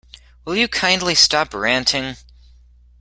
Will you kindly stop ranting?